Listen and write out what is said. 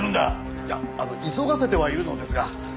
いや急がせてはいるのですが。